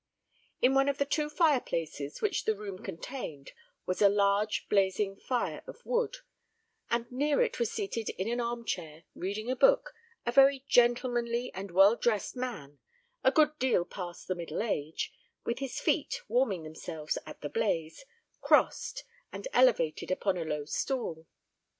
In one of the two fire places which the room contained was a large blazing fire of wood, and near it was seated in an arm chair, reading a book, a very gentlemanly and well dressed man, a good deal past the middle age, with his feet, warming themselves at the blaze, crossed and elevated upon a low stool.